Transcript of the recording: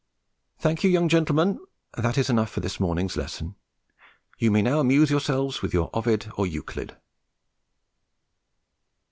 Thank you, young gentlemen; that is enough for this morning's lesson. You may now amuse yourselves with your Ovid or Euclid.